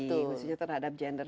maksudnya terhadap gender